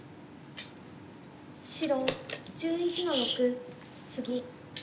白１１の六ツギ。